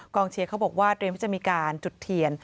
เชียร์เขาบอกว่าเตรียมที่จะมีการจุดเทียน